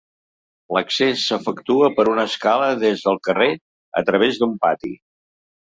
L'accés s'efectua per una escala des del carrer a través d'un pati.